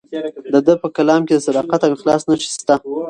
د ده په کلام کې د صداقت او اخلاص نښې شته.